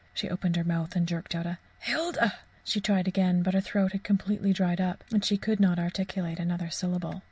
She opened her mouth and jerked out "Hilda!" She tried again, but her throat had completely dried up, and she could not articulate another syllable.